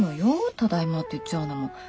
「ただいま」って言っちゃうのも。